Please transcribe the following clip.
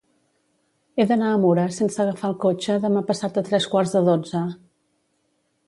He d'anar a Mura sense agafar el cotxe demà passat a tres quarts de dotze.